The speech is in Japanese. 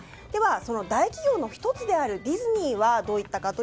その大企業の１つであるディズニーはどういったか。